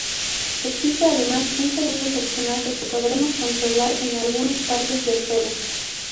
Existe además un segundo personaje que podremos controlar en algunas partes del juego.